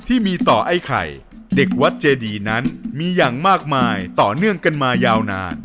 ที่มีต่อไอ้ไข่เด็กวัดเจดีนั้นมีอย่างมากมายต่อเนื่องกันมายาวนาน